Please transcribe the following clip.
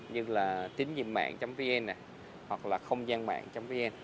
như là tingimạng vn hoặc là khônggianmạng vn